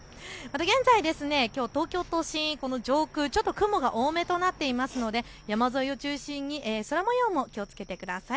現在きょう東京都心、上空ちょっと雲が多めとなっていますので山沿いを中心に空もようも気をつけてください。